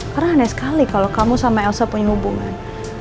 karena aneh sekali kalo kamu sama elsa punya hubungan